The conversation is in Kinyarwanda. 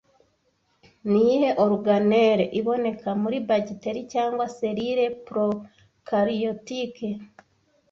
Niyihe organelle iboneka muri bagiteri cyangwa selile prokaryotic